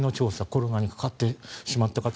コロナにかかってしまった方